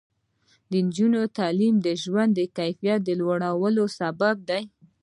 د نجونو تعلیم د ژوند کیفیت لوړولو سبب دی.